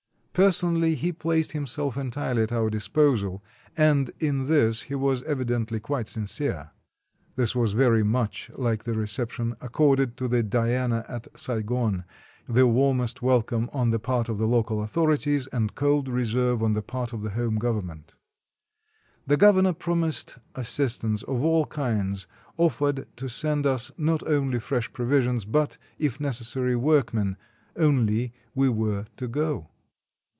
Personally, he placed himself entirely at our disposal, and in this he was evidently quite sincere. (This was very much like the 226 COALING AT SEA reception accorded to the Diana at Saigon: the warmest welcome on the part of the local authorities and cold reserve on the part of the home government.) The gov ernor promised assistance of all kinds, offered to send us not only fresh provisions, but, if necessary, workmen — only we were to go.